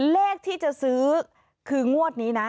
เลขที่จะซื้อคืองวดนี้นะ